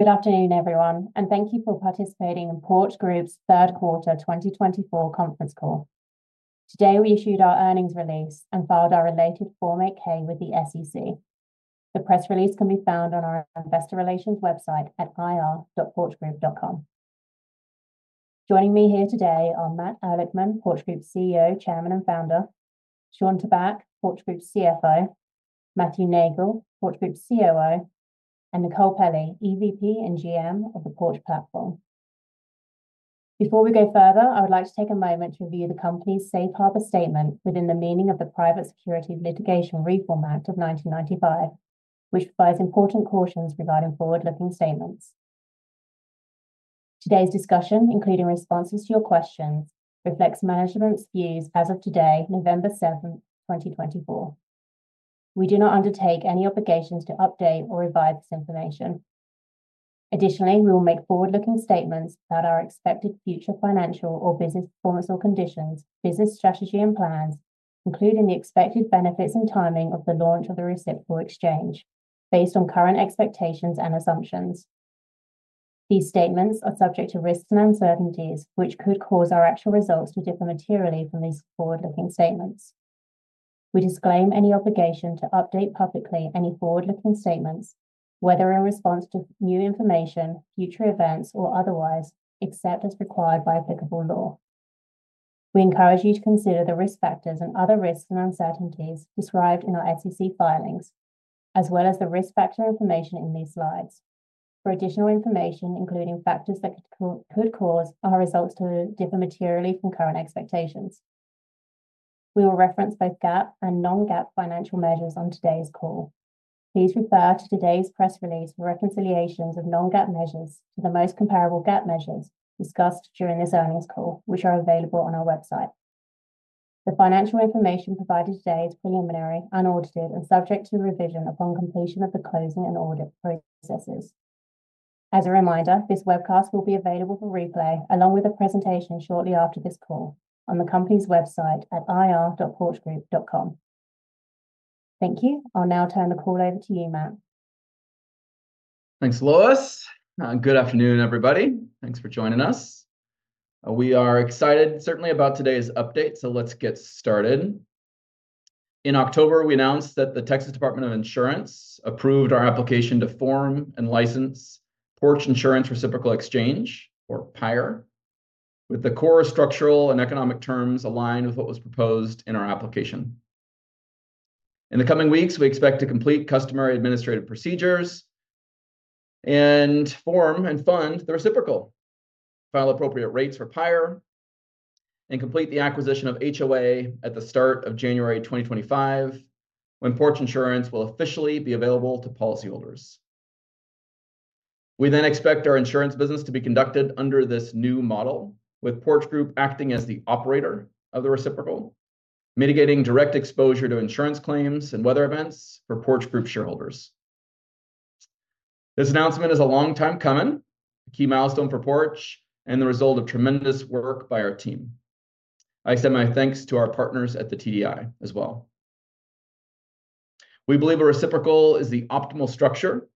Good afternoon, everyone, and thank you for participating in Porch Group's Third Quarter 2024 Conference Call. Today we issued our earnings release and filed our related Form 8-K with the SEC. The press release can be found on our Investor Relations website at ir.porchgroup.com. Joining me here today are Matt Ehrlichman, Porch Group CEO, Chairman and Founder, Shawn Tabak, Porch Group CFO, Matthew Neagle, Porch Group COO, and Nicole Pelley, EVP and GM of the Porch Platform. Before we go further, I would like to take a moment to review the company's Safe Harbor Statement within the meaning of the Private Securities Litigation Reform Act of 1995, which provides important cautions regarding forward-looking statements. Today's discussion, including responses to your questions, reflects management's views as of today, November 7, 2024. We do not undertake any obligations to update or revise this information. Additionally, we will make forward-looking statements about our expected future financial or business performance or conditions, business strategy, and plans, including the expected benefits and timing of the launch of the reciprocal exchange, based on current expectations and assumptions. These statements are subject to risks and uncertainties, which could cause our actual results to differ materially from these forward-looking statements. We disclaim any obligation to update publicly any forward-looking statements, whether in response to new information, future events, or otherwise, except as required by applicable law. We encourage you to consider the risk factors and other risks and uncertainties described in our SEC filings, as well as the risk factor information in these slides. For additional information, including factors that could cause our results to differ materially from current expectations, we will reference both GAAP and non-GAAP financial measures on today's call. Please refer to today's press release for reconciliations of non-GAAP measures to the most comparable GAAP measures discussed during this earnings call, which are available on our website. The financial information provided today is preliminary, unaudited, and subject to revision upon completion of the closing and audit processes. As a reminder, this webcast will be available for replay along with a presentation shortly after this call on the company's website at ir.porchgroup.com. Thank you. I'll now turn the call over to you, Matt. Thanks, Lois. Good afternoon, everybody. Thanks for joining us. We are excited, certainly, about today's update, so let's get started. In October, we announced that the Texas Department of Insurance approved our application to form and license Porch Insurance Reciprocal Exchange, or PIRE, with the core structural and economic terms aligned with what was proposed in our application. In the coming weeks, we expect to complete customary administrative procedures and form and fund the reciprocal, file appropriate rates for PIRE, and complete the acquisition of HOA at the start of January 2025, when Porch Insurance will officially be available to policyholders. We then expect our insurance business to be conducted under this new model, with Porch Group acting as the operator of the reciprocal, mitigating direct exposure to insurance claims and weather events for Porch Group shareholders. This announcement is a long time coming, a key milestone for Porch and the result of tremendous work by our team. I extend my thanks to our partners at the TDI as well. We believe a reciprocal is the optimal structure,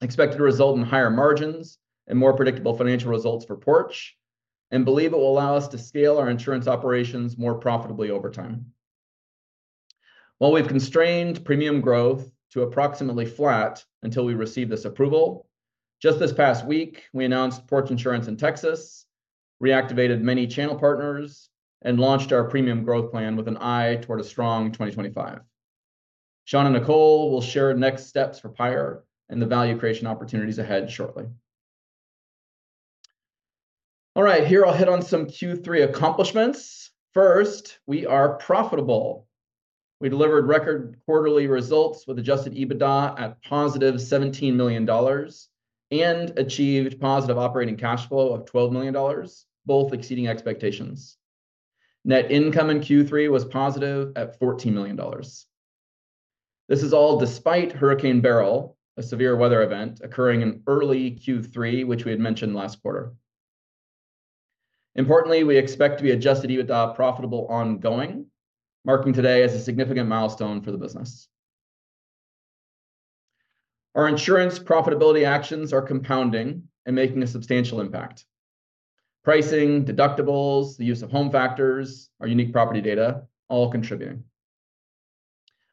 expected to result in higher margins and more predictable financial results for Porch, and believe it will allow us to scale our insurance operations more profitably over time. While we've constrained premium growth to approximately flat until we receive this approval, just this past week, we announced Porch Insurance in Texas, reactivated many channel partners, and launched our premium growth plan with an eye toward a strong 2025. Shawn and Nicole will share next steps for PIRE and the value creation opportunities ahead shortly. All right, here I'll hit on some Q3 accomplishments. First, we are profitable. We delivered record quarterly results with Adjusted EBITDA at positive $17 million and achieved positive operating cash flow of $12 million, both exceeding expectations. Net income in Q3 was positive at $14 million. This is all despite Hurricane Beryl, a severe weather event occurring in early Q3, which we had mentioned last quarter. Importantly, we expect to be Adjusted EBITDA profitable ongoing, marking today as a significant milestone for the business. Our insurance profitability actions are compounding and making a substantial impact. Pricing, deductibles, the use of Home Factors, our unique property data, all contributing.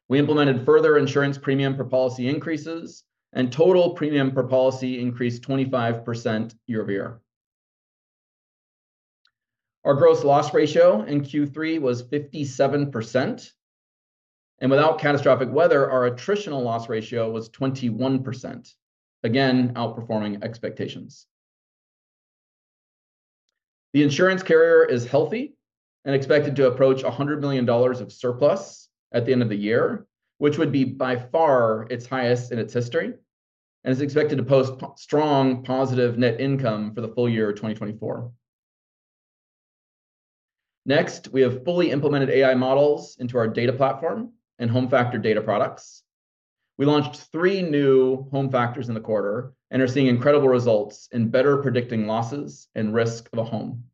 We implemented further insurance premium per policy increases, and total premium per policy increased 25% year-over-year. Our gross loss ratio in Q3 was 57%, and without catastrophic weather, our attritional loss ratio was 21%, again outperforming expectations. The insurance carrier is healthy and expected to approach $100 million of surplus at the end of the year, which would be by far its highest in its history, and is expected to post strong positive net income for the full year of 2024. Next, we have fully implemented AI models into our data platform and Home Factors data products. We launched three new Home Factors in the quarter and are seeing incredible results in better predicting losses and risk of a home.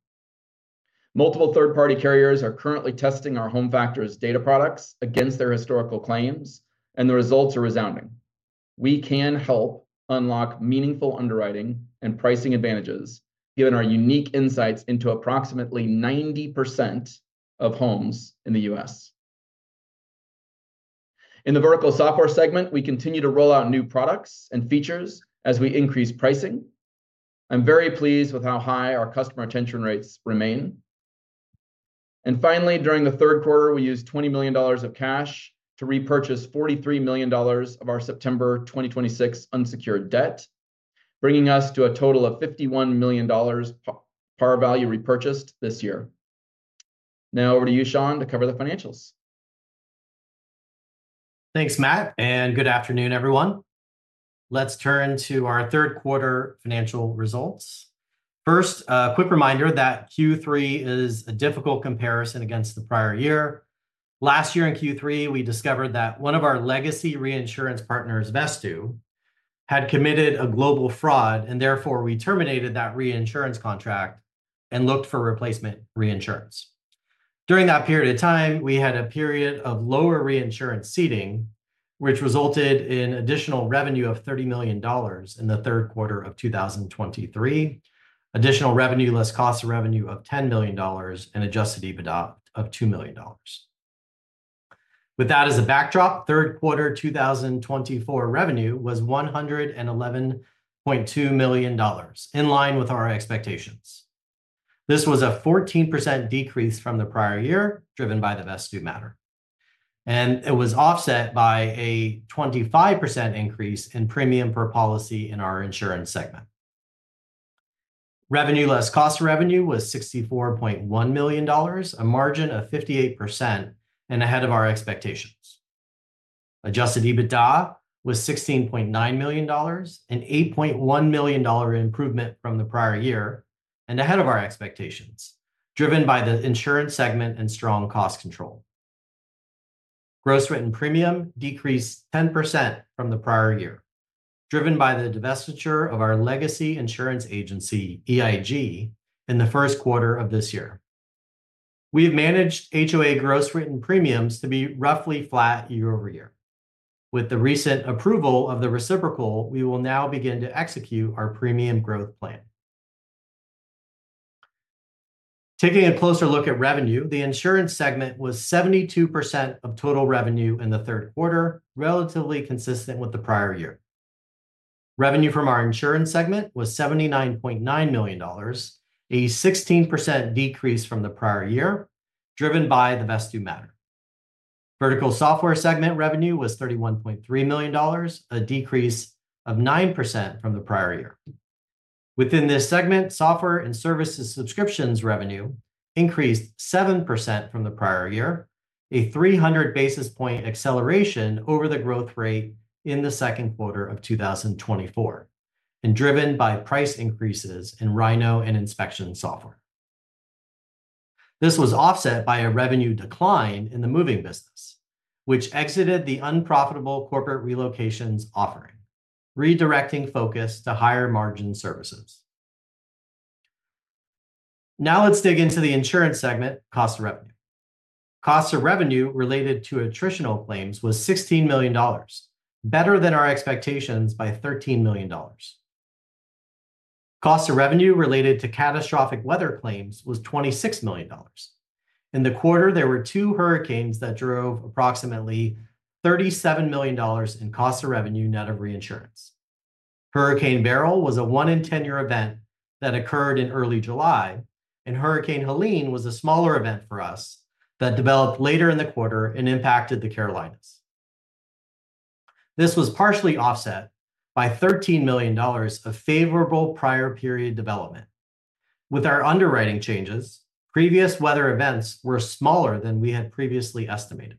Multiple third-party carriers are currently testing our Home Factors data products against their historical claims, and the results are resounding. We can help unlock meaningful underwriting and pricing advantages, given our unique insights into approximately 90% of homes in the U.S. In the vertical software segment, we continue to roll out new products and features as we increase pricing. I'm very pleased with how high our customer retention rates remain. And finally, during the third quarter, we used $20 million of cash to repurchase $43 million of our September 2026 unsecured debt, bringing us to a total of $51 million par value repurchased this year. Now over to you, Shawn, to cover the financials. Thanks, Matt, and good afternoon, everyone. Let's turn to our third quarter financial results. First, a quick reminder that Q3 is a difficult comparison against the prior year. Last year in Q3, we discovered that one of our legacy reinsurance partners, Vesttoo, had committed a global fraud, and therefore we terminated that reinsurance contract and looked for replacement reinsurance. During that period of time, we had a period of lower reinsurance ceding, which resulted in additional revenue of $30 million in the third quarter of 2023, additional revenue, less cost of revenue of $10 million, and Adjusted EBITDA of $2 million. With that as a backdrop, third quarter 2024 revenue was $111.2 million, in line with our expectations. This was a 14% decrease from the prior year, driven by the Vesttoo matter and it was offset by a 25% increase in premium per policy in our insurance segment. Revenue, less cost of revenue, was $64.1 million, a margin of 58%, and ahead of our expectations. Adjusted EBITDA was $16.9 million, an $8.1 million improvement from the prior year, and ahead of our expectations, driven by the insurance segment and strong cost control. Gross written premium decreased 10% from the prior year, driven by the divestiture of our legacy insurance agency, EIG, in the first quarter of this year. We have managed HOA gross written premiums to be roughly flat year-over-year. With the recent approval of the reciprocal, we will now begin to execute our premium growth plan. Taking a closer look at revenue, the insurance segment was 72% of total revenue in the third quarter, relatively consistent with the prior year. Revenue from our insurance segment was $79.9 million, a 16% decrease from the prior year, driven by the Vesttoo matter. Vertical software segment revenue was $31.3 million, a decrease of 9% from the prior year. Within this segment, software and services subscriptions revenue increased 7% from the prior year, a 300 basis point acceleration over the growth rate in the second quarter of 2024, and driven by price increases in Rhino and inspection software. This was offset by a revenue decline in the moving business, which exited the unprofitable corporate relocations offering, redirecting focus to higher margin services. Now let's dig into the insurance segment cost of revenue. Cost of revenue related to attritional claims was $16 million, better than our expectations by $13 million. Cost of revenue related to catastrophic weather claims was $26 million. In the quarter, there were two hurricanes that drove approximately $37 million in cost of revenue net of reinsurance. Hurricane Beryl was a one-in-ten-year event that occurred in early July, and Hurricane Helene was a smaller event for us that developed later in the quarter and impacted the Carolinas. This was partially offset by $13 million of favorable prior period development. With our underwriting changes, previous weather events were smaller than we had previously estimated.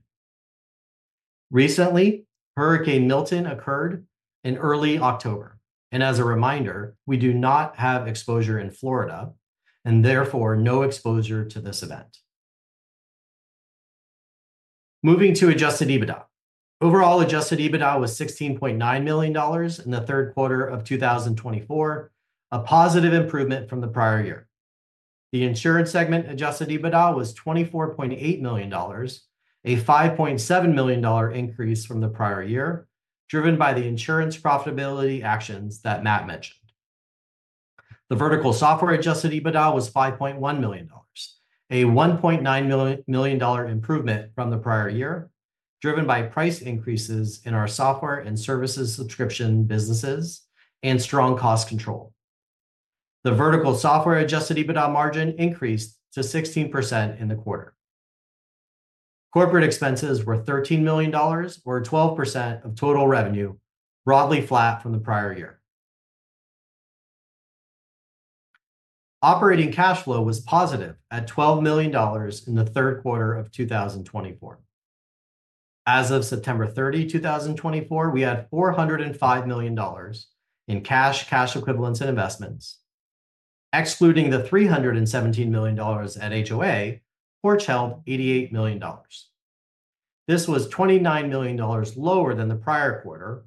Recently, Hurricane Milton occurred in early October, and as a reminder, we do not have exposure in Florida and therefore no exposure to this event. Moving to Adjusted EBITDA. Overall, Adjusted EBITDA was $16.9 million in the third quarter of 2024, a positive improvement from the prior year. The insurance segment Adjusted EBITDA was $24.8 million, a $5.7 million increase from the prior year, driven by the insurance profitability actions that Matt mentioned. The vertical software adjusted EBITDA was $5.1 million, a $1.9 million improvement from the prior year, driven by price increases in our software and services subscription businesses and strong cost control. The vertical software adjusted EBITDA margin increased to 16% in the quarter. Corporate expenses were $13 million, or 12% of total revenue, broadly flat from the prior year. Operating cash flow was positive at $12 million in the third quarter of 2024. As of September 30, 2024, we had $405 million in cash, cash equivalents, and investments. Excluding the $317 million at HOA, Porch held $88 million. This was $29 million lower than the prior quarter,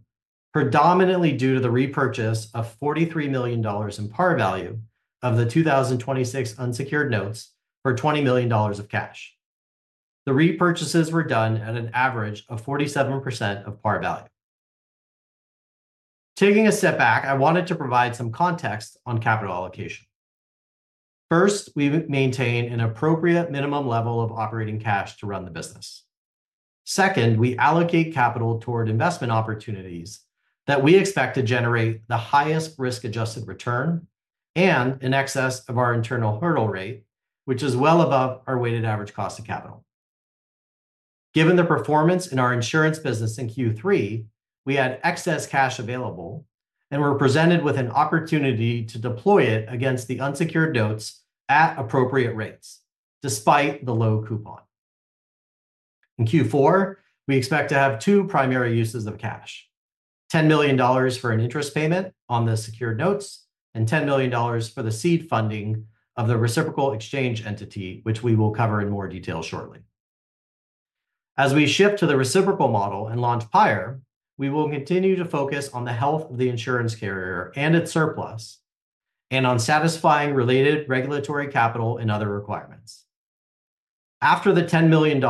predominantly due to the repurchase of $43 million in par value of the 2026 unsecured notes for $20 million of cash. The repurchases were done at an average of 47% of par value. Taking a step back, I wanted to provide some context on capital allocation. First, we maintain an appropriate minimum level of operating cash to run the business. Second, we allocate capital toward investment opportunities that we expect to generate the highest risk-adjusted return and an excess of our internal hurdle rate, which is well above our weighted average cost of capital. Given the performance in our insurance business in Q3, we had excess cash available and were presented with an opportunity to deploy it against the unsecured notes at appropriate rates, despite the low coupon. In Q4, we expect to have two primary uses of cash: $10 million for an interest payment on the secured notes and $10 million for the seed funding of the reciprocal exchange entity, which we will cover in more detail shortly. As we shift to the reciprocal model and launch PIRE, we will continue to focus on the health of the insurance carrier and its surplus and on satisfying related regulatory capital and other requirements. After the $10 million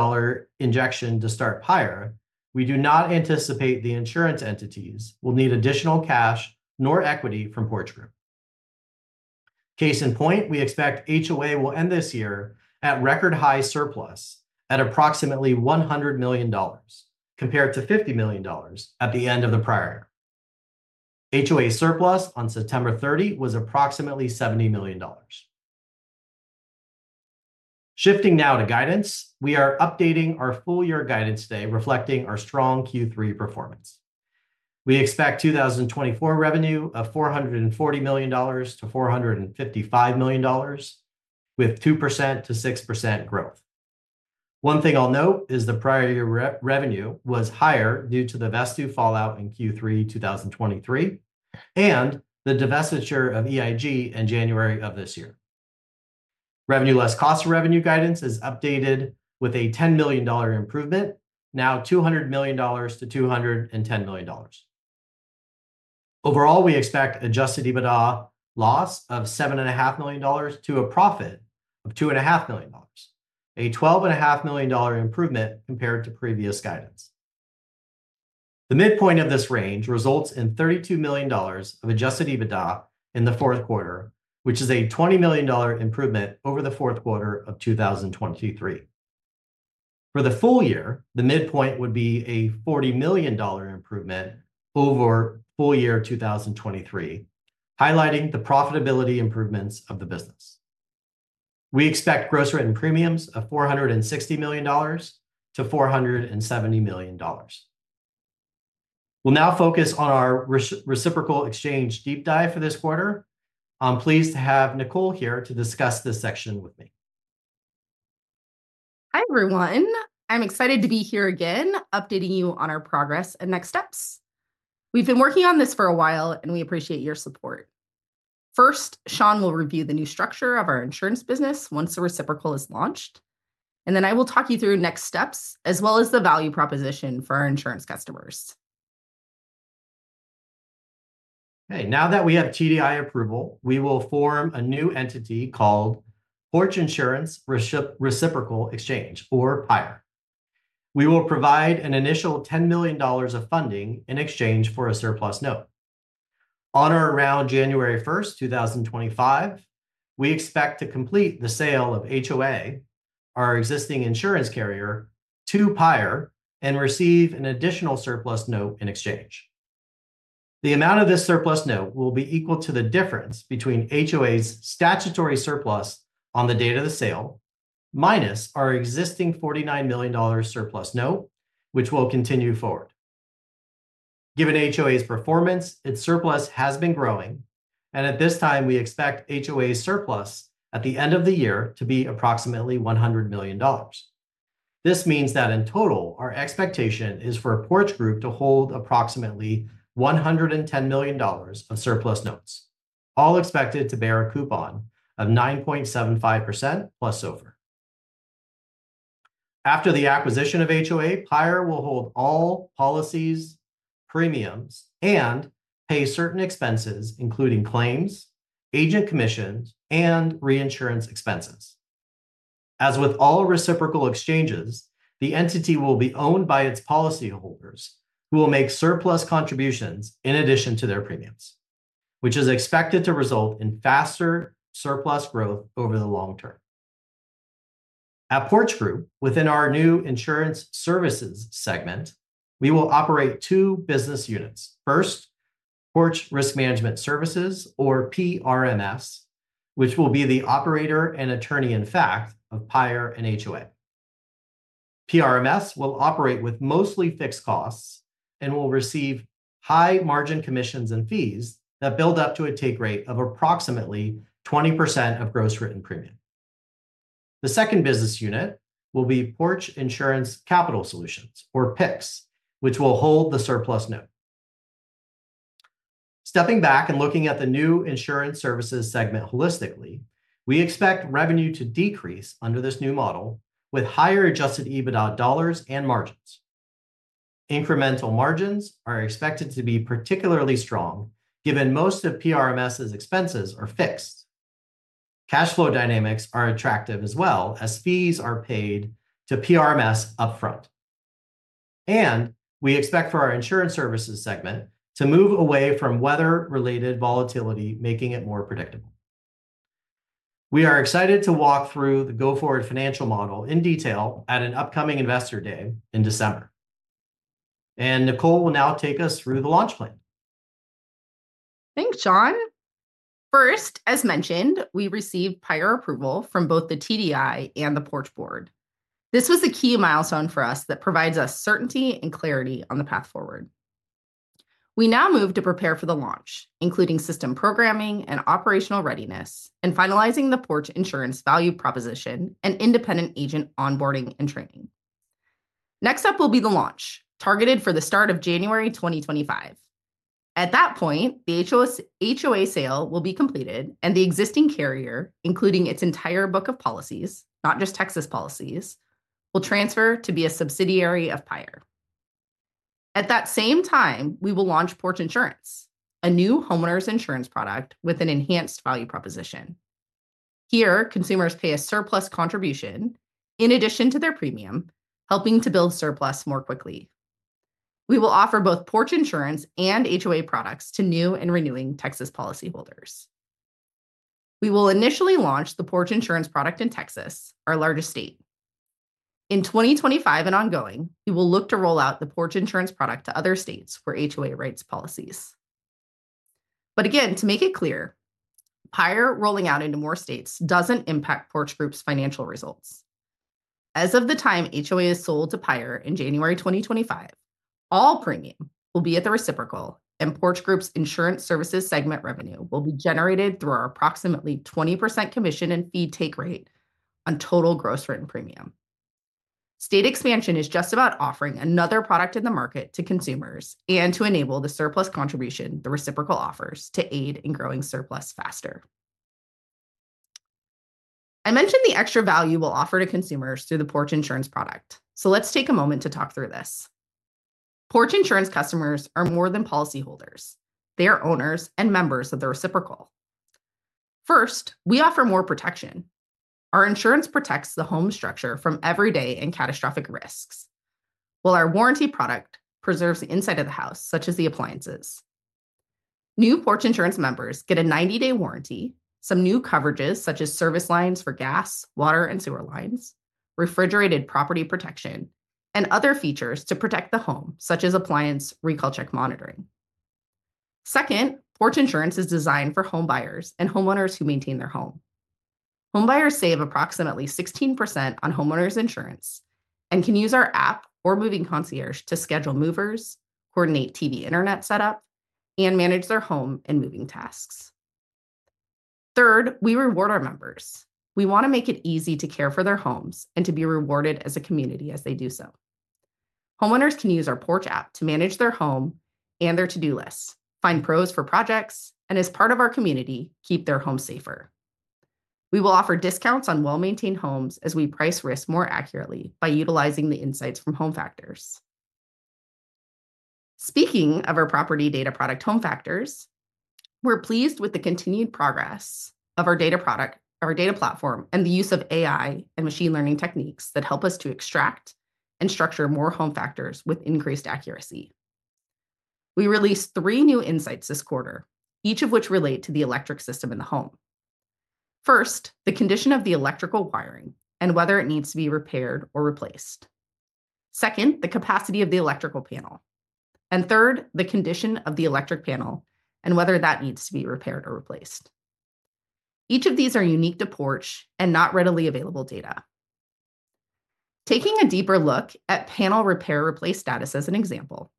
injection to start PIRE, we do not anticipate the insurance entities will need additional cash nor equity from Porch Group. Case in point, we expect HOA will end this year at record high surplus at approximately $100 million, compared to $50 million at the end of the prior year. HOA surplus on September 30 was approximately $70 million. Shifting now to guidance, we are updating our full year guidance today, reflecting our strong Q3 performance. We expect 2024 revenue of $440 million-$455 million, with 2%-6% growth. One thing I'll note is the prior year revenue was higher due to the Vesttoo fallout in Q3 2023 and the divestiture of EIG in January of this year. Revenue less cost of revenue guidance is updated with a $10 million improvement, now $200 million-$210 million. Overall, we expect Adjusted EBITDA loss of $7.5 million to a profit of $2.5 million, a $12.5 million improvement compared to previous guidance. The midpoint of this range results in $32 million of Adjusted EBITDA in the fourth quarter, which is a $20 million improvement over the fourth quarter of 2023. For the full year, the midpoint would be a $40 million improvement over full year 2023, highlighting the profitability improvements of the business. We expect Gross Written Premiums of $460 million-$470 million. We'll now focus on our reciprocal exchange deep dive for this quarter. I'm pleased to have Nicole here to discuss this section with me. Hi, everyone. I'm excited to be here again, updating you on our progress and next steps. We've been working on this for a while, and we appreciate your support. First, Shawn will review the new structure of our insurance business once the reciprocal is launched, and then I will talk you through next steps as well as the value proposition for our insurance customers. Okay. Now that we have TDI approval, we will form a new entity called Porch Insurance Reciprocal Exchange, or PIRE. We will provide an initial $10 million of funding in exchange for a surplus note. On or around January 1, 2025, we expect to complete the sale of HOA, our existing insurance carrier, to PIRE and receive an additional surplus note in exchange. The amount of this surplus note will be equal to the difference between HOA's statutory surplus on the date of the sale minus our existing $49 million surplus note, which will continue forward. Given HOA's performance, its surplus has been growing, and at this time, we expect HOA's surplus at the end of the year to be approximately $100 million. This means that in total, our expectation is for Porch Group to hold approximately $110 million of surplus notes, all expected to bear a coupon of 9.75% plus SOFR. After the acquisition of HOA, PIRE will hold all policies, premiums, and pay certain expenses, including claims, agent commissions, and reinsurance expenses. As with all reciprocal exchanges, the entity will be owned by its policyholders, who will make surplus contributions in addition to their premiums, which is expected to result in faster surplus growth over the long term. At Porch Group, within our new insurance services segment, we will operate two business units. First, Porch Risk Management Services, or PRMS, which will be the operator and attorney-in-fact of PIRE and HOA. PRMS will operate with mostly fixed costs and will receive high margin commissions and fees that build up to a take rate of approximately 20% of gross written premium. The second business unit will be Porch Insurance Capital Solutions, or PICS, which will hold the surplus note. Stepping back and looking at the new insurance services segment holistically, we expect revenue to decrease under this new model with higher Adjusted EBITDA dollars and margins. Incremental margins are expected to be particularly strong given most of PRMS's expenses are fixed. Cash flow dynamics are attractive as well as fees are paid to PRMS upfront, and we expect for our insurance services segment to move away from weather-related volatility, making it more predictable. We are excited to walk through the go-forward financial model in detail at an upcoming investor day in December, and Nicole will now take us through the launch plan. Thanks, Shawn. First, as mentioned, we received PIRE approval from both the TDI and the Porch Board. This was a key milestone for us that provides us certainty and clarity on the path forward. We now move to prepare for the launch, including system programming and operational readiness, and finalizing the Porch Insurance value proposition and independent agent onboarding and training. Next up will be the launch, targeted for the start of January 2025. At that point, the HOA sale will be completed, and the existing carrier, including its entire book of policies, not just Texas policies, will transfer to be a subsidiary of PIRE. At that same time, we will launch Porch Insurance, a new homeowner's insurance product with an enhanced value proposition. Here, consumers pay a surplus contribution in addition to their premium, helping to build surplus more quickly. We will offer both Porch Insurance and HOA products to new and renewing Texas policyholders. We will initially launch the Porch Insurance product in Texas, our largest state. In 2025 and ongoing, we will look to roll out the Porch Insurance product to other states for HOA rights policies. But again, to make it clear, PIRE rolling out into more states doesn't impact Porch Group's financial results. As of the time HOA is sold to PIRE in January 2025, all premium will be at the reciprocal, and Porch Group's insurance services segment revenue will be generated through our approximately 20% commission and fee take rate on total gross written premium. State expansion is just about offering another product in the market to consumers and to enable the surplus contribution the reciprocal offers to aid in growing surplus faster. I mentioned the extra value we'll offer to consumers through the Porch Insurance product, so let's take a moment to talk through this. Porch Insurance customers are more than policyholders. They are owners and members of the reciprocal. First, we offer more protection. Our insurance protects the home structure from everyday and catastrophic risks, while our warranty product preserves the inside of the house, such as the appliances. New Porch Insurance members get a 90-day warranty, some new coverages such as service lines for gas, water, and sewer lines, refrigerated property protection, and other features to protect the home, such as appliance RecallChek monitoring. Second, Porch Insurance is designed for home buyers and homeowners who maintain their home. Home buyers save approximately 16% on homeowners insurance and can use our app or Moving Concierge to schedule movers, coordinate TV internet setup, and manage their home and moving tasks. Third, we reward our members. We want to make it easy to care for their homes and to be rewarded as a community as they do so. Homeowners can use our Porch App to manage their home and their to-do lists, find pros for projects, and as part of our community, keep their home safer. We will offer discounts on well-maintained homes as we price risk more accurately by utilizing the insights from Home Factors. Speaking of our Property Data Product, Home Factors, we're pleased with the continued progress of our data platform and the use of AI and machine learning techniques that help us to extract and structure more Home Factors with increased accuracy. We released three new insights this quarter, each of which relate to the electric system in the home. First, the condition of the electrical wiring and whether it needs to be repaired or replaced. Second, the capacity of the electrical panel. And third, the condition of the electric panel and whether that needs to be repaired or replaced. Each of these are unique to Porch and not readily available data. Taking a deeper look at panel repair replace status as an example,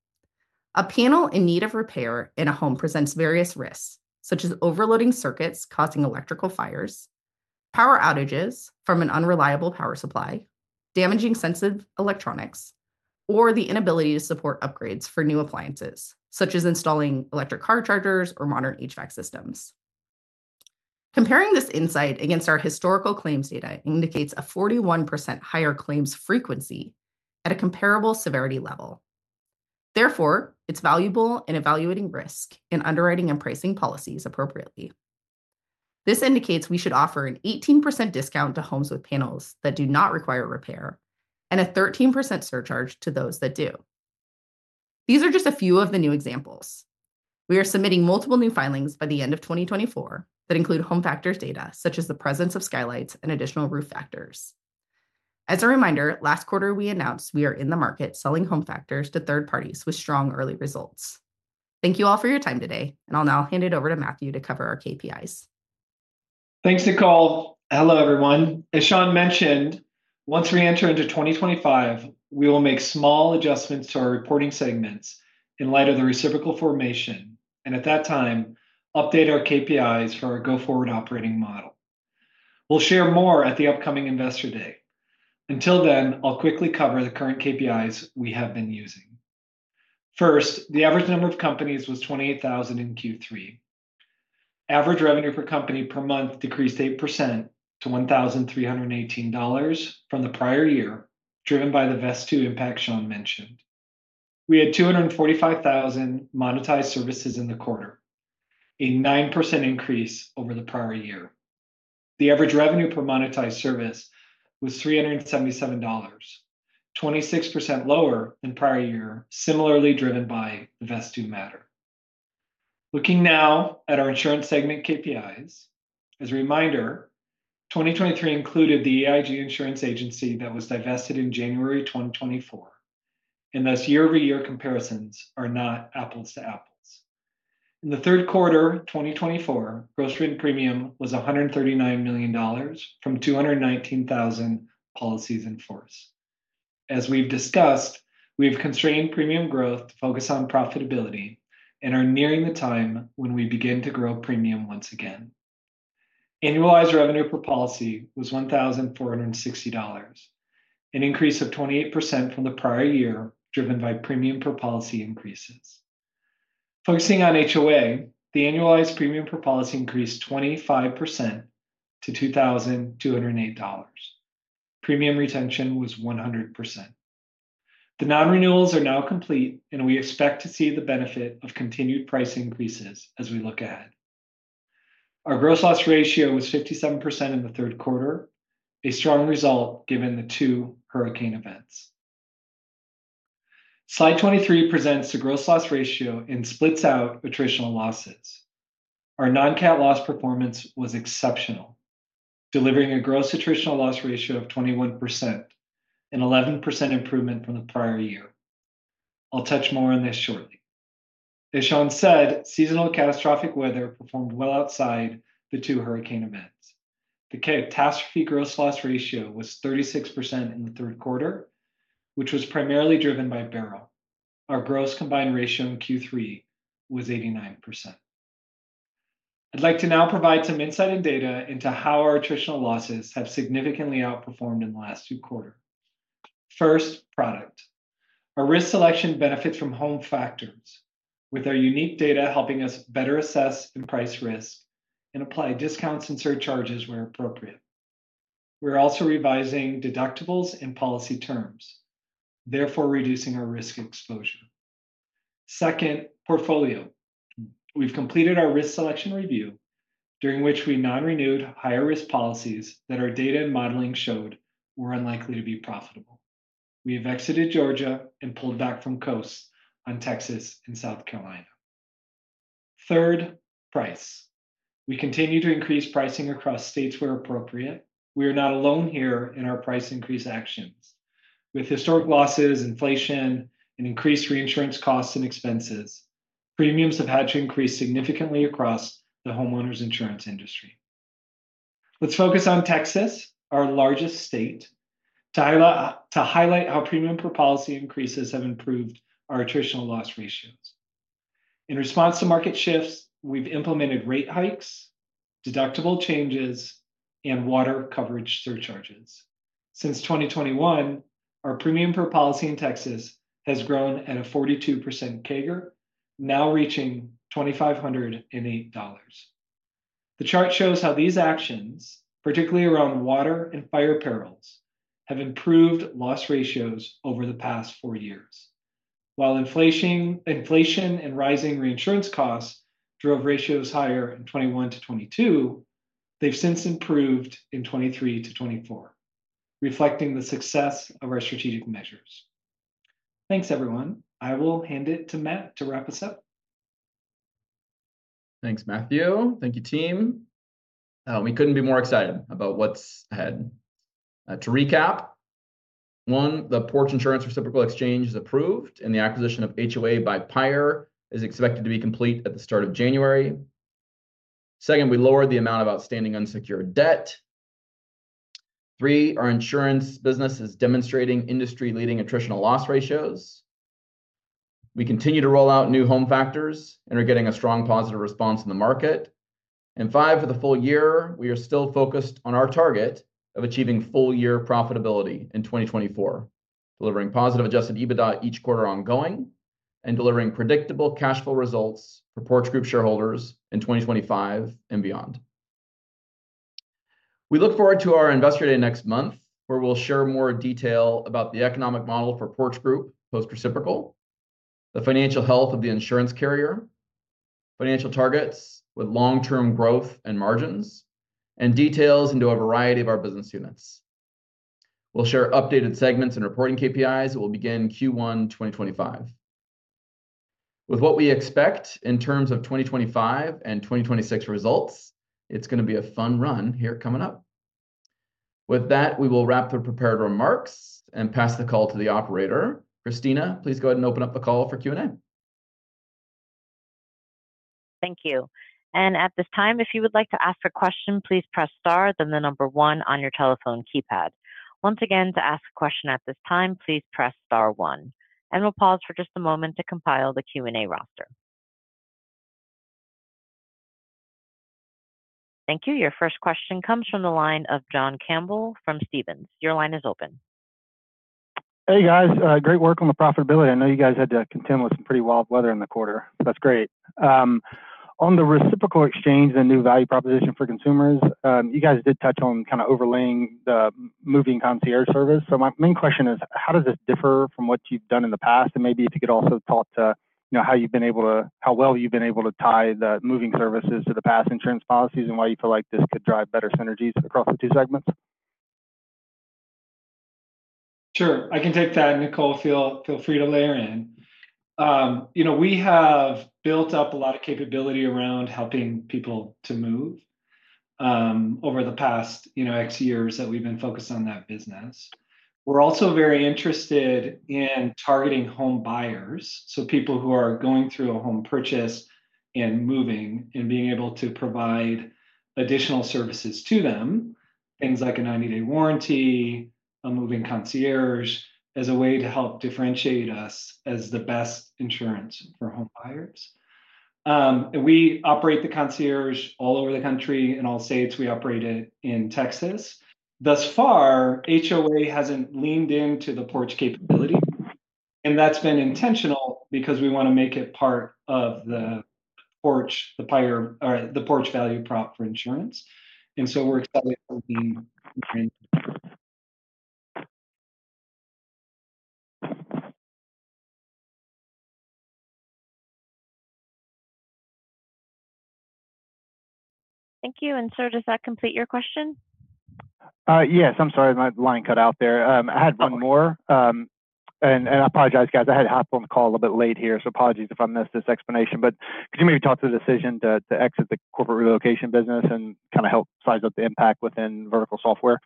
a panel in need of repair in a home presents various risks, such as overloading circuits causing electrical fires, power outages from an unreliable power supply, damaging sensitive electronics, or the inability to support upgrades for new appliances, such as installing electric car chargers or modern HVAC systems. Comparing this insight against our historical claims data indicates a 41% higher claims frequency at a comparable severity level. Therefore, it's valuable in evaluating risk and underwriting and pricing policies appropriately. This indicates we should offer an 18% discount to homes with panels that do not require repair and a 13% surcharge to those that do. These are just a few of the new examples. We are submitting multiple new filings by the end of 2024 that include Home Factors data such as the presence of skylights and additional roof factors. As a reminder, last quarter we announced we are in the market selling Home Factors to third parties with strong early results. Thank you all for your time today, and I'll now hand it over to Matthew to cover our KPIs. Thanks, Nicole. Hello, everyone. As Shawn mentioned, once we enter into 2025, we will make small adjustments to our reporting segments in light of the reciprocal formation and at that time, update our KPIs for our go-forward operating model. We'll share more at the upcoming investor day. Until then, I'll quickly cover the current KPIs we have been using. First, the average number of companies was 28,000 in Q3. Average revenue per company per month decreased 8% to $1,318 from the prior year, driven by the Vesttoo impact Shawn mentioned. We had 245,000 monetized services in the quarter, a 9% increase over the prior year. The average revenue per monetized service was $377, 26% lower than prior year, similarly driven by the Vesttoo matter. Looking now at our insurance segment KPIs, as a reminder, 2023 included the EIG Insurance Agency that was divested in January 2024, and thus year-over-year comparisons are not apples to apples. In the third quarter 2024, gross written premium was $139 million from 219,000 policies in force. As we've discussed, we've constrained premium growth to focus on profitability and are nearing the time when we begin to grow premium once again. Annualized revenue per policy was $1,460, an increase of 28% from the prior year driven by premium per policy increases. Focusing on HOA, the annualized premium per policy increased 25% to $2,208. Premium retention was 100%. The non-renewals are now complete, and we expect to see the benefit of continued price increases as we look ahead. Our gross loss ratio was 57% in the third quarter, a strong result given the two hurricane events. Slide 23 presents the gross loss ratio and splits out attritional losses. Our non-cat loss performance was exceptional, delivering a gross attritional loss ratio of 21%, an 11% improvement from the prior year. I'll touch more on this shortly. As Shawn said, seasonal catastrophic weather performed well outside the two hurricane events. The catastrophe gross loss ratio was 36% in the third quarter, which was primarily driven by Beryl. Our gross combined ratio in Q3 was 89%. I'd like to now provide some insight and data into how our attritional losses have significantly outperformed in the last two quarters. First, product. Our risk selection benefits from Home Factors, with our unique data helping us better assess and price risk and apply discounts and surcharges where appropriate. We're also revising deductibles and policy terms, therefore reducing our risk exposure. Second, portfolio. We've completed our risk selection review, during which we non-renewed higher risk policies that our data and modeling showed were unlikely to be profitable. We have exited Georgia and pulled back from coasts on Texas and South Carolina. Third, price. We continue to increase pricing across states where appropriate. We are not alone here in our price increase actions. With historic losses, inflation, and increased reinsurance costs and expenses, premiums have had to increase significantly across the homeowners insurance industry. Let's focus on Texas, our largest state, to highlight how premium per policy increases have improved our attritional loss ratios. In response to market shifts, we've implemented rate hikes, deductible changes, and water coverage surcharges. Since 2021, our premium per policy in Texas has grown at a 42% CAGR, now reaching $2,508. The chart shows how these actions, particularly around water and fire perils, have improved loss ratios over the past four years. While inflation and rising reinsurance costs drove ratios higher in 2021 to 2022, they've since improved in 2023 to 2024, reflecting the success of our strategic measures. Thanks, everyone. I will hand it to Matt to wrap us up. Thanks, Matthew. Thank you, team. We couldn't be more excited about what's ahead. To recap, one, the Porch Insurance Reciprocal Exchange is approved, and the acquisition of HOA by PIRE is expected to be complete at the start of January. Second, we lowered the amount of outstanding unsecured debt. Three, our insurance business is demonstrating industry-leading attritional loss ratios. We continue to roll out new Home Factors and are getting a strong positive response in the market. And five, for the full year, we are still focused on our target of achieving full-year profitability in 2024, delivering positive adjusted EBITDA each quarter ongoing and delivering predictable cash flow results for Porch Group shareholders in 2025 and beyond. We look forward to our investor day next month, where we'll share more detail about the economic model for Porch Group post-reciprocal, the financial health of the insurance carrier, financial targets with long-term growth and margins, and details into a variety of our business units. We'll share updated segments and reporting KPIs that will begin Q1 2025. With what we expect in terms of 2025 and 2026 results, it's going to be a fun run here coming up. With that, we will wrap the prepared remarks and pass the call to the operator. Christina, please go ahead and open up the call for Q&A. Thank you. And at this time, if you would like to ask a question, please press star then the number one on your telephone keypad. Once again, to ask a question at this time, please press star one. And we'll pause for just a moment to compile the Q&A roster. Thank you. Your first question comes from the line of John Campbell from Stephens. Your line is open. Hey, guys. Great work on the profitability. I know you guys had to contend with some pretty wild weather in the quarter. That's great. On the reciprocal exchange and new value proposition for consumers, you guys did touch on kind of overlaying the moving concierge service. So my main question is, how does this differ from what you've done in the past? And maybe if you could also talk to how you've been able to, how well you've been able to tie the moving services to the past insurance policies and why you feel like this could drive better synergies across the two segments. Sure. I can take that, Nicole. Feel free to layer in. We have built up a lot of capability around helping people to move over the past X years that we've been focused on that business. We're also very interested in targeting home buyers, so people who are going through a home purchase and moving and being able to provide additional services to them, things like a 90-day warranty, a Moving Concierge as a way to help differentiate us as the best insurance for home buyers. And we operate the concierge all over the country in all states. We operate it in Texas. Thus far, HOA hasn't leaned into the Porch capability. And that's been intentional because we want to make it part of the Porch value prop for insurance. And so we're excited to lean into it. Thank you. And sir, does that complete your question? Yes. I'm sorry. My line cut out there. I had one more. And I apologize, guys. I had to hop on the call a little bit late here, so apologies if I missed this explanation. But could you maybe talk to the decision to exit the corporate relocation business and kind of help size up the impact within vertical software?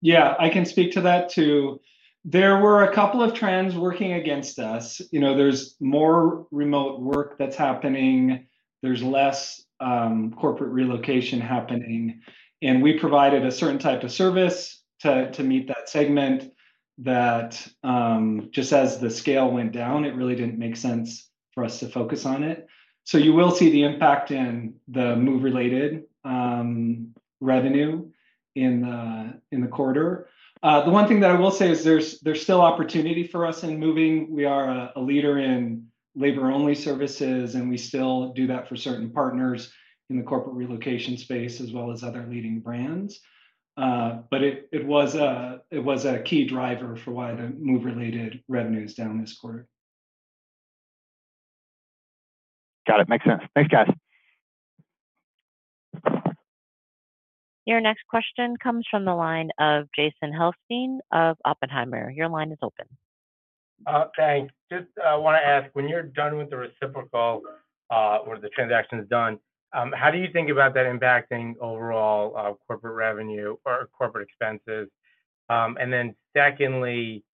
Yeah. I can speak to that too. There were a couple of trends working against us. There's more remote work that's happening. There's less corporate relocation happening, and we provided a certain type of service to meet that segment that just as the scale went down, it really didn't make sense for us to focus on it, so you will see the impact in the move-related revenue in the quarter. The one thing that I will say is there's still opportunity for us in moving. We are a leader in labor-only services, and we still do that for certain partners in the corporate relocation space as well as other leading brands, but it was a key driver for why the move-related revenue is down this quarter. Got it. Makes sense. Th`anks, guys. Your next question comes from the line of Jason Helfstein of Oppenheimer. Your line is open. Thanks. Just want to ask, when you're done with the reciprocal or the transaction's done, how do you think about that impacting overall corporate revenue or corporate expenses? And then secondly,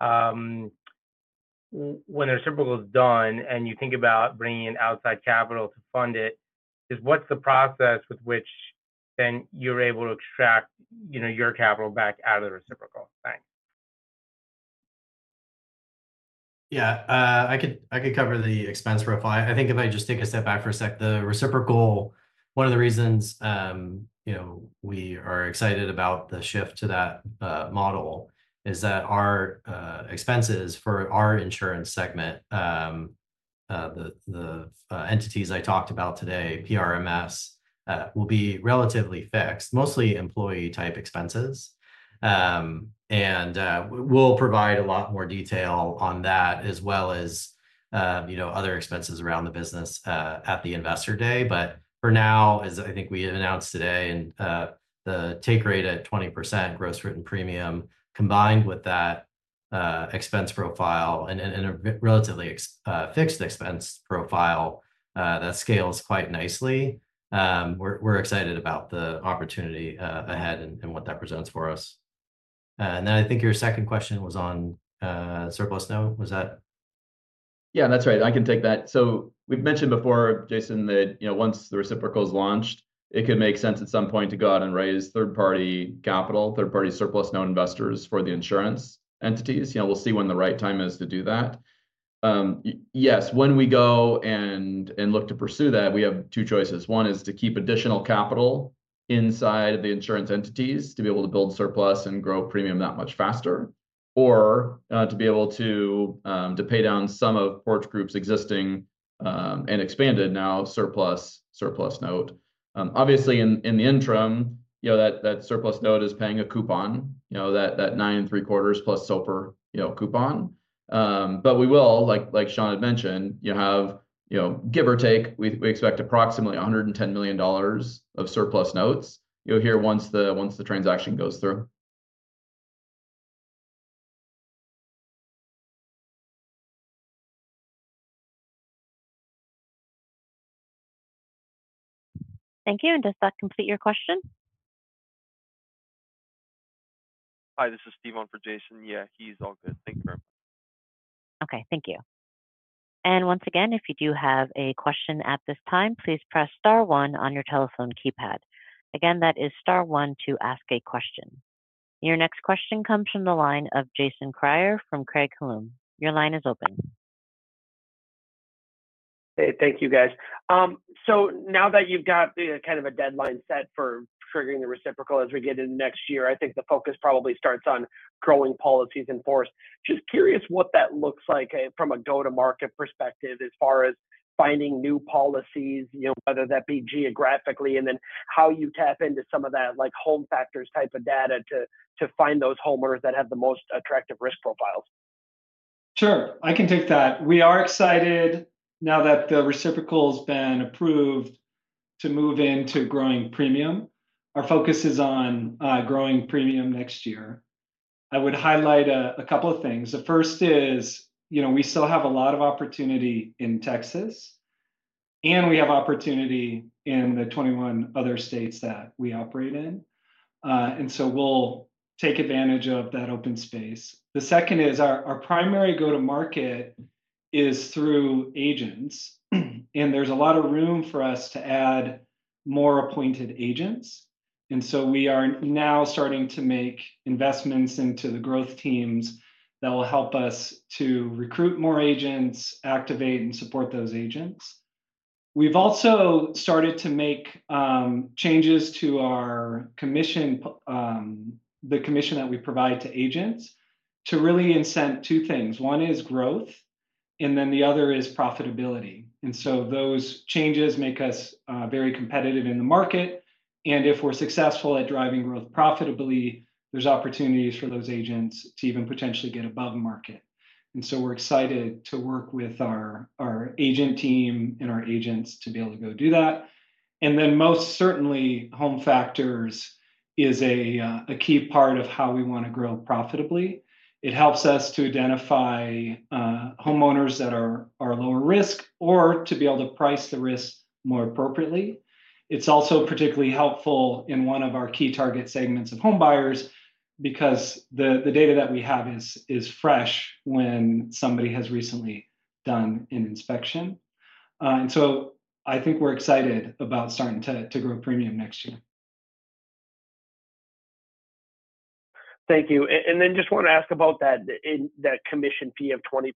when the reciprocal is done and you think about bringing outside capital to fund it, what's the process with which then you're able to extract your capital back out of the reciprocal? Thanks. Yeah. I could cover the expense profile. I think if I just take a step back for a sec, the reciprocal, one of the reasons we are excited about the shift to that model is that our expenses for our insurance segment, the entities I talked about today, PRMS, will be relatively fixed, mostly employee-type expenses. And we'll provide a lot more detail on that as well as other expenses around the business at the investor day. But for now, as I think we announced today, the take rate at 20% gross written premium combined with that expense profile and a relatively fixed expense profile that scales quite nicely, we're excited about the opportunity ahead and what that presents for us. And then I think your second question was on surplus note. Was that? Yeah. That's right. I can take that. So we've mentioned before, Jason, that once the reciprocal is launched, it could make sense at some point to go out and raise third-party capital, third-party surplus note investors for the insurance entities. We'll see when the right time is to do that. Yes, when we go and look to pursue that, we have two choices. One is to keep additional capital inside of the insurance entities to be able to build surplus and grow premium that much faster, or to be able to pay down some of Porch Group's existing and expanded now surplus note. Obviously, in the interim, that surplus note is paying a coupon, that 9 and 3/4+ SOFR coupon. But we will, like Shawn had mentioned, have give or take, we expect approximately $110 million of surplus notes here once the transaction goes through. Thank you. And does that complete your question? Hi, this is Steven for Jason. Yeah, he's all good. Thank you very much. Okay. Thank you. And once again, if you do have a question at this time, please press star one on your telephone keypad. Again, that is star one to ask a question. Your next question comes from the line of Jason Kreyer from Craig-Hallum. Your line is open. Hey, thank you, guys. So now that you've got kind of a deadline set for triggering the reciprocal as we get into next year, I think the focus probably starts on growing policies in force. Just curious what that looks like from a go-to-market perspective as far as finding new policies, whether that be geographically, and then how you tap into some of that Home Factors type of data to find those homeowners that have the most attractive risk profiles. Sure. I can take that. We are excited now that the reciprocal has been approved to move into growing premium. Our focus is on growing premium next year. I would highlight a couple of things. The first is we still have a lot of opportunity in Texas, and we have opportunity in the 21 other states that we operate in. And so we'll take advantage of that open space. The second is our primary go-to-market is through agents. And there's a lot of room for us to add more appointed agents. And so we are now starting to make investments into the growth teams that will help us to recruit more agents, activate, and support those agents. We've also started to make changes to the commission that we provide to agents to really incent two things. One is growth, and then the other is profitability. And so those changes make us very competitive in the market. And if we're successful at driving growth profitably, there's opportunities for those agents to even potentially get above market. And so we're excited to work with our agent team and our agents to be able to go do that. And then most certainly, Home Factors is a key part of how we want to grow profitably. It helps us to identify homeowners that are lower risk or to be able to price the risk more appropriately. It's also particularly helpful in one of our key target segments of home buyers because the data that we have is fresh when somebody has recently done an inspection. And so I think we're excited about starting to grow premium next year. Thank you. And then just want to ask about that commission fee of 20%.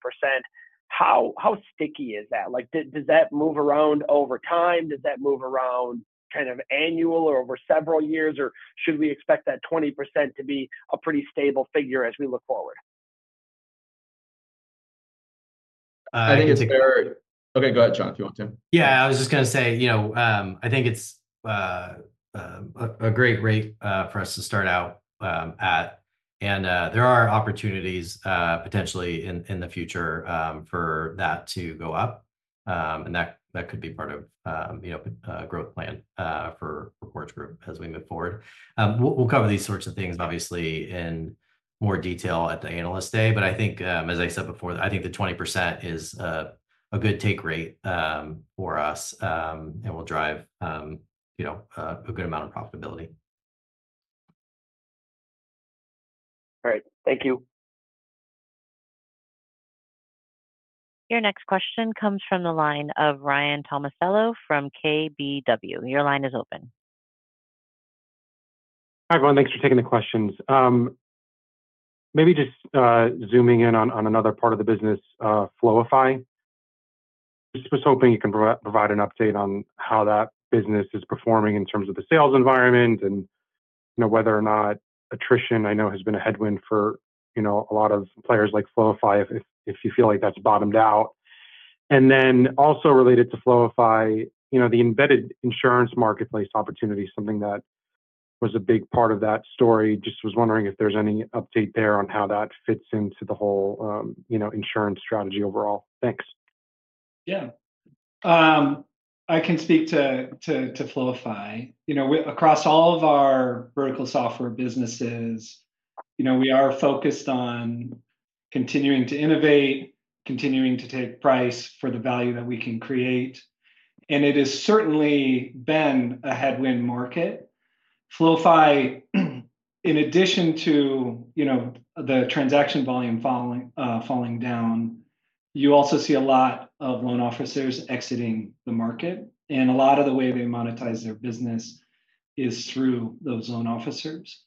How sticky is that? Does that move around over time? Does that move around kind of annual or over several years? Or should we expect that 20% to be a pretty stable figure as we look forward? I think it's a good. Okay, go ahead, Shawn, if you want to. Yeah. I was just going to say, I think it's a great rate for us to start out at. And there are opportunities potentially in the future for that to go up. And that could be part of a growth plan for Porch Group as we move forward. We'll cover these sorts of things, obviously, in more detail at the analyst day. But I think, as I said before, I think the 20% is a good take rate for us, and we'll drive a good amount of profitability. All right. Thank you. Your next question comes from the line of Ryan Tomasello from KBW. Your line is open. Hi, everyone. Thanks for taking the questions. Maybe just zooming in on another part of the business, Flowify. Just was hoping you can provide an update on how that business is performing in terms of the sales environment and whether or not attrition, I know, has been a headwind for a lot of players like Flowify, if you feel like that's bottomed out. And then also related to Flowify, the embedded insurance marketplace opportunity is something that was a big part of that story. Just was wondering if there's any update there on how that fits into the whole insurance strategy overall. Thanks. Yeah. I can speak to Flowify. Across all of our vertical software businesses, we are focused on continuing to innovate, continuing to take price for the value that we can create. And it has certainly been a headwind market. Flowify, in addition to the transaction volume falling down, you also see a lot of loan officers exiting the market. And a lot of the way they monetize their business is through those loan officers.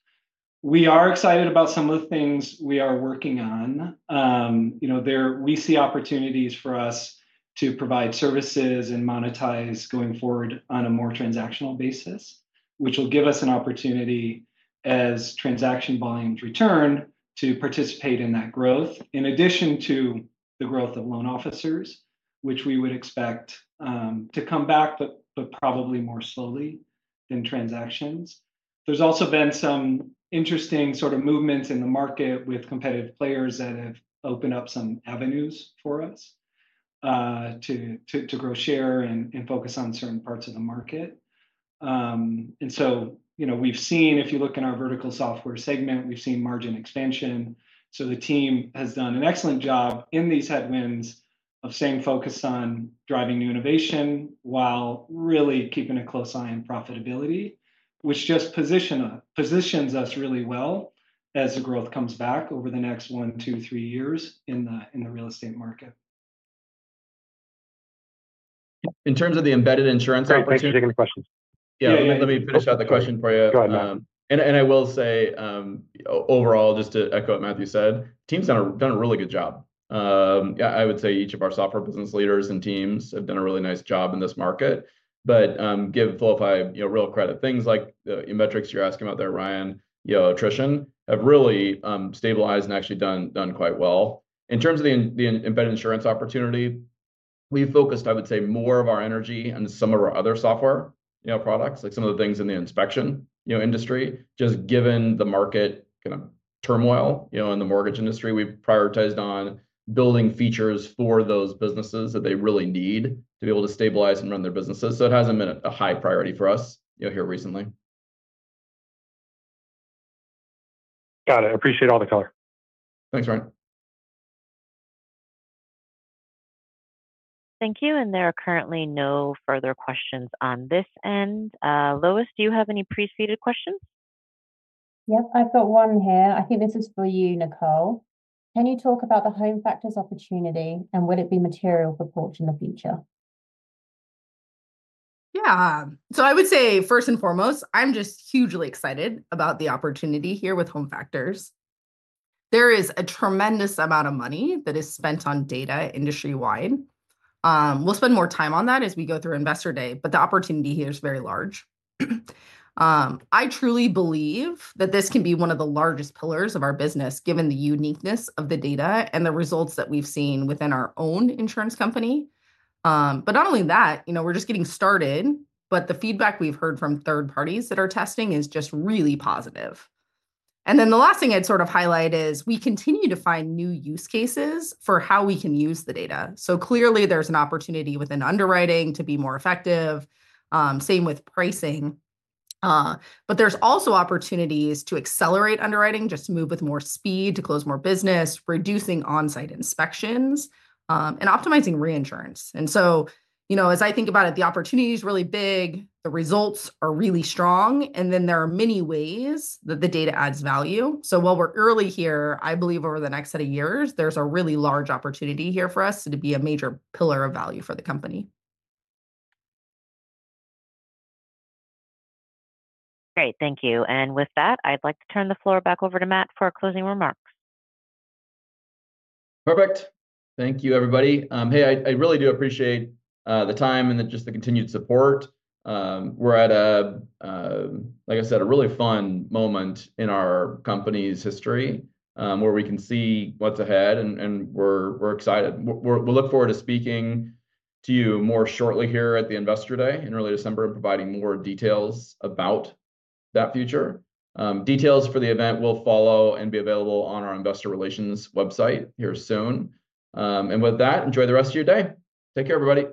We are excited about some of the things we are working on. We see opportunities for us to provide services and monetize going forward on a more transactional basis, which will give us an opportunity, as transaction volumes return, to participate in that growth, in addition to the growth of loan officers, which we would expect to come back, but probably more slowly than transactions. There's also been some interesting sort of movements in the market with competitive players that have opened up some avenues for us to grow share and focus on certain parts of the market, and so we've seen, if you look in our vertical software segment, we've seen margin expansion, so the team has done an excellent job in these headwinds of staying focused on driving new innovation while really keeping a close eye on profitability, which just positions us really well as the growth comes back over the next one, two, three years in the real estate market. In terms of the embedded insurance opportunity. I can take any questions. Yeah. Let me finish out the question for you. Go ahead, Matt. I will say, overall, just to echo what Matthew said, the team's done a really good job. I would say each of our software business leaders and teams have done a really nice job in this market. Give Flowify real credit. Things like the metrics you're asking about there, Ryan, attrition have really stabilized and actually done quite well. In terms of the embedded insurance opportunity, we've focused, I would say, more of our energy on some of our other software products, like some of the things in the inspection industry. Just given the market kind of turmoil in the mortgage industry, we've prioritized on building features for those businesses that they really need to be able to stabilize and run their businesses. It hasn't been a high priority for us here recently. Got it. I appreciate all the color. Thanks, Ryan. Thank you. And there are currently no further questions on this end. Lois, do you have any pre-submitted questions? Yep. I've got one here. I think this is for you, Nicole. Can you talk about the Home Factors opportunity, and would it be material for Porch in the future? Yeah. So I would say, first and foremost, I'm just hugely excited about the opportunity here with HomeFactors. There is a tremendous amount of money that is spent on data industry-wide. We'll spend more time on that as we go through investor day, but the opportunity here is very large. I truly believe that this can be one of the largest pillars of our business, given the uniqueness of the data and the results that we've seen within our own insurance company. But not only that, we're just getting started, but the feedback we've heard from third parties that are testing is just really positive. And then the last thing I'd sort of highlight is we continue to find new use cases for how we can use the data. So clearly, there's an opportunity within underwriting to be more effective, same with pricing. But there's also opportunities to accelerate underwriting, just to move with more speed, to close more business, reducing on-site inspections, and optimizing reinsurance. And so as I think about it, the opportunity is really big, the results are really strong, and then there are many ways that the data adds value. So while we're early here, I believe over the next set of years, there's a really large opportunity here for us to be a major pillar of value for the company. Great. Thank you, and with that, I'd like to turn the floor back over to Matt for closing remarks. Perfect. Thank you, everybody. Hey, I really do appreciate the time and just the continued support. We're at, like I said, a really fun moment in our company's history where we can see what's ahead, and we're excited. We'll look forward to speaking to you more shortly here at the investor day in early December and providing more details about that future. Details for the event will follow and be available on our investor relations website here soon. And with that, enjoy the rest of your day. Take care, everybody.